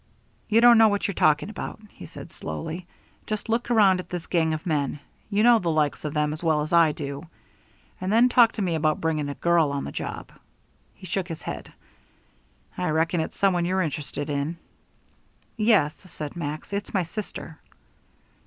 "You don't know what you're talking about," he said slowly. "Just look around at this gang of men you know the likes of them as well as I do and then talk to me about bringing a girl on the job." He his head. "I reckon it's some one you're interested in." "Yes," said Max, "it's my sister."